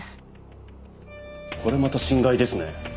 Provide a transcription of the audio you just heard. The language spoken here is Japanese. これまた心外ですね。